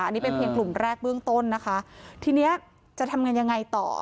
อันนี้เป็นเพียงกลุ่มแรกเบื้องต้นนะคะทีนี้จะทำกันยังไงต่อ